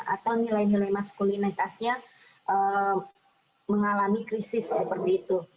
atau nilai nilai maskulinitasnya mengalami krisis seperti itu